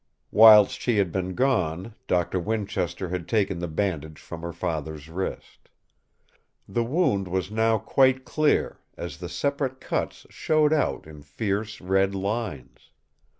Whilst she had been gone, Doctor Winchester had taken the bandage from her father's wrist. The wound was now quite clear, as the separate cuts showed out in fierce red lines.